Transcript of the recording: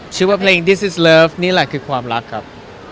และเพลงนี้เล่าถึงอะไรบ้างครับ